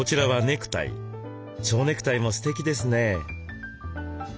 蝶ネクタイもすてきですね。